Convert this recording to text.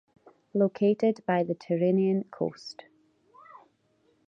Located by the Tyrrhenian coast.